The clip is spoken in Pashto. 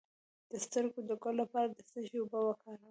د سترګو د ګل لپاره د څه شي اوبه وکاروم؟